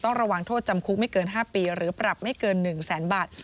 ระวังโทษจำคุกไม่เกิน๕ปีหรือปรับไม่เกิน๑แสนบาท